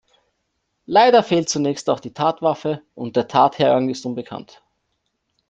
Leider fehlt zunächst auch die Tatwaffe, und der Tathergang ist unbekannt.